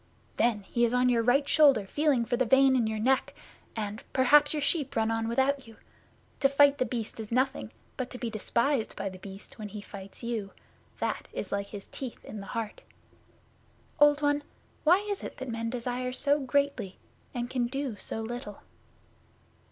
'Then he is on your right shoulder feeling for the vein in your neck, and perhaps your sheep run on without you. To fight The Beast is nothing, but to be despised by The Beast when he fights you that is like his teeth in the heart! Old One, why is it that men desire so greatly, and can do so little?